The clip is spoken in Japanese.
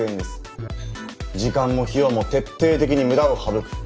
時間も費用も徹底的に無駄を省く。